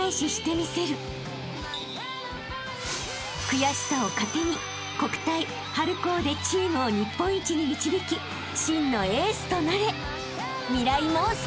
［悔しさを糧に国体春高でチームを日本一に導き真のエースとなれ！］